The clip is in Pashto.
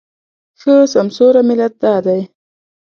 ښه سمسوره مالت دا دی